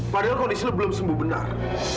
padahal kondisi lu belum sembuh benar